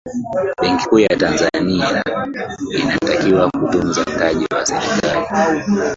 benki kuu ya tanzani inatakiwa kutunza mtaji wa serikali